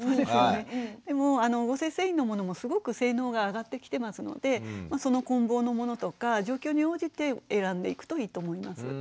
でも合成繊維のものもすごく性能が上がってきてますのでその混紡のものとか状況に応じて選んでいくといいと思います。